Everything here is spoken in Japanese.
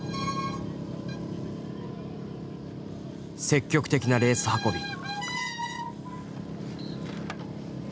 積極的なレース運び。